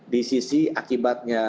di sisi akibatnya